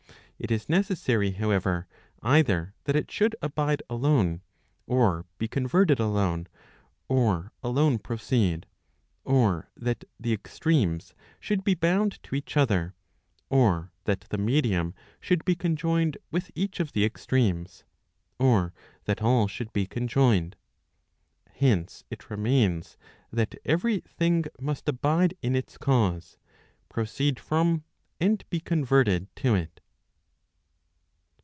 It is necessary however, either that it should abide alone, or be converted alone, or alone proceed, or that the extremes should be bound to each other, or that the medium should be conjoined with each of the extremes, or that all should be conjoined. Hence it remains that every thing must abide in its cause, proceed from, and be converted to it.